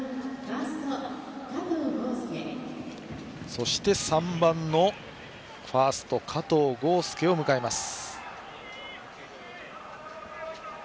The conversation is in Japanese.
そして、３番のファースト加藤豪将を迎えます。